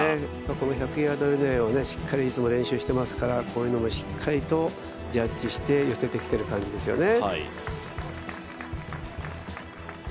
この１００ヤードぐらいをいつも練習していますからこういうのもしっかりとジャッジして、寄せてきてる感じですよね。